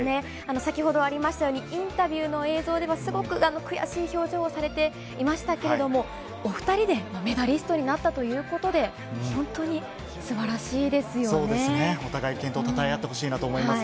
先ほどありましたように、インタビューの映像では、すごく悔しい表情をされていましたけれども、お２人でメダリストになったということで、そうですね、お互い、健闘をたたえ合ってほしいなと思いますね。